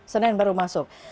senin baru masuk